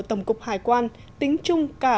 tổng cục hải quan tính chung cả